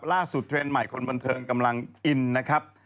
เทรนด์ใหม่คนบันเทิงกำลังอินนะครับ